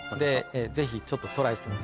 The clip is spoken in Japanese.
ぜひちょっとトライしてみて。